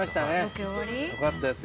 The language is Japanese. よかったです